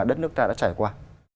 đất nước ta đã trải qua